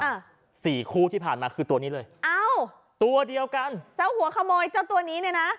สี่คู่ที่ผ่านมาคือตัวนี้เลยอ้าวตัวเดียวกันเจ้าหัวขโมยเจ้าตัวนี้เนี่ยนะ